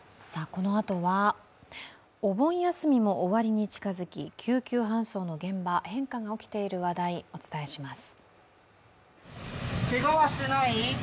このあとはお盆休みも終わりに近づき救急搬送の現場変化が起きている話題お伝えします。